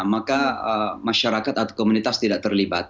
maka masyarakat atau komunitas tidak terlibat